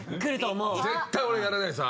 絶対俺やらないです。